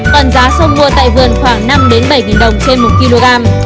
còn giá sô mua tại vườn khoảng năm bảy đồng trên một kg